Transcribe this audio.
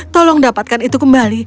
tolong dapatkan itu kembali